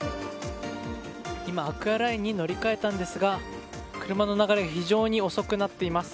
今、アクアラインに乗り換えたんですが車の流れが非常に遅くなっています。